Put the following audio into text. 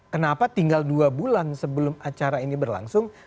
kenapa tinggal dua bulan sebelum acara ini berlangsung